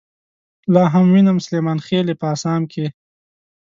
لاهم وينم سليمانخيلې په اسام کې